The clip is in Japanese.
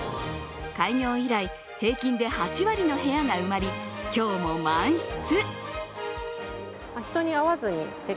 開業以来、平均で８割の部屋が埋まり、今日も満室。